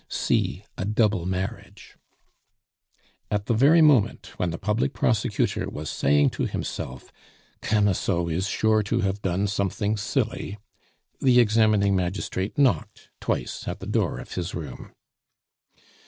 (See A Double Marriage.) At the very moment when the public prosecutor was saying to himself, "Camusot is sure to have done something silly," the examining magistrate knocked twice at the door of his room.